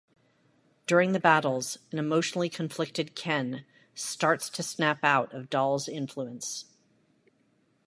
During the battles, an emotionally conflicted Ken starts to snap out of Doll's influence.